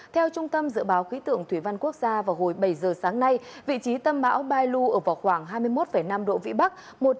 theo trung tâm dự báo khí tượng thủy văn quốc gia vào hồi bảy giờ sáng nay vị trí tâm bão lưu ở vào khoảng hai mươi một năm độ vĩ bắc